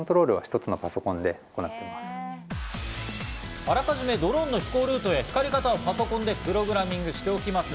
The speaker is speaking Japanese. あらかじめドローンの飛行ルートや、光り方をパソコンでプログラミングしておきます。